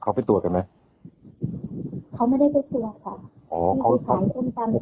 เขาไปตรวจกันไหมเขาไม่ได้ไปตรวจค่ะอ๋อเขารู้ไหมว่าพี่ติดอ่ะค่ะ